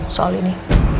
tidak tahu nini